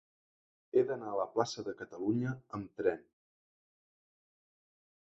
He d'anar a la plaça de Catalunya amb tren.